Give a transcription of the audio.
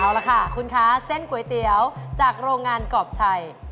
เอาละค่ะคุณคะเส้นก๋วยเตี๋ยวจากโรงงานกรอบชัย